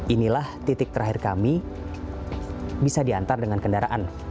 inilah titik terakhir kami bisa diantar dengan kendaraan